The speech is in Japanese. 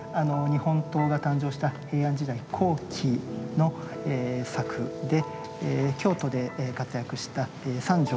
日本刀が誕生した平安時代後期の作で京都で活躍した三条